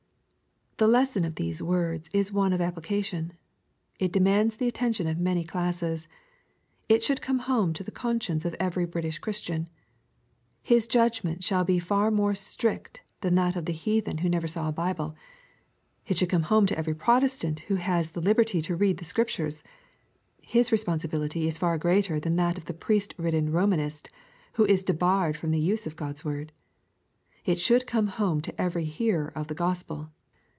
The lesson of these words is one of wide application. It demands the attention of many classes. It should come home to the conscience of every British Christian, His judgment shall be far more strict than that of the heathen who never saw the Bible. It should come home to every Protestant who has the liberty to read the Scriptures. His responsibility is far greater than that of the priest ridden Romanist, who is debarred from the use of God's word. It should come home to every hearer of the Gospel.